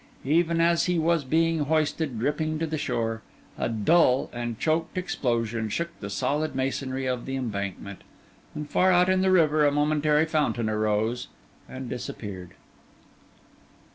Even as he was being hoisted dripping to the shore, a dull and choked explosion shook the solid masonry of the Embankment, and far out in the river a momentary fountain rose and disappeared.